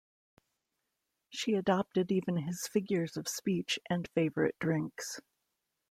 She adopted even his figures of speech and favorite drinks.